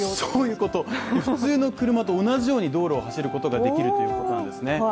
普通の車と同じように道路を走ることができるということなんですね。